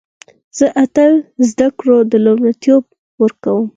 زه تل زده کړو ته لومړیتوب ورکوم